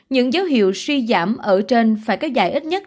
những dấu hiệu suy giảm ở trên phải kéo dài ít nhất